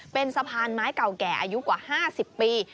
เป็นสะพานไม้เก่าแก่อายุกว่า๕๐ปี